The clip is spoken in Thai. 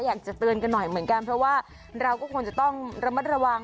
อยากจะเตือนกันหน่อยเหมือนกันเพราะว่าเราก็คงจะต้องระมัดระวัง